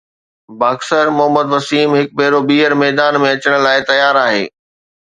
boxer Muhammad Wasim هڪ ڀيرو ٻيهر ميدان ۾ اچڻ لاءِ تيار آهي